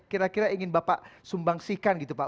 kira kira ingin bapak sumbangsikan gitu pak